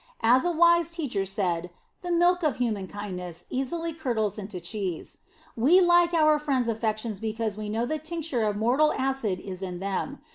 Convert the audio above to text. As a wise teacher said, the milk of human kindness easily curdles into cheese. We like our friends' affections because we know the tincture of mortal acid is in them.